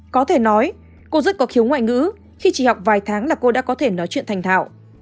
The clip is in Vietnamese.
có thể nói cô rất có khiếu ngoại ngữ khi chỉ học vài tháng là cô đã có thể nói chuyện thành thạo